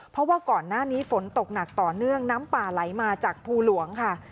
เพราะว่าก่อนหน้านี้ฝนตกหนักต่อเนื่องน้ำป่าไหลมาจากภูหลวงค่ะ